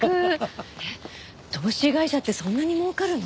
えっ投資会社ってそんなに儲かるの？